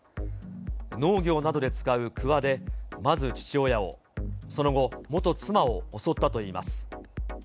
農業などで使うくわで、まず父親を、その後、元妻を襲ったといいます。